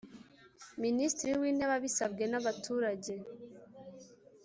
Minisitiri w Intebe abisabwe nabaturage